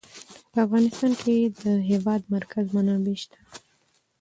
په افغانستان کې د د هېواد مرکز منابع شته.